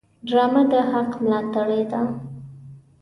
ډرامه د حق ملاتړې ده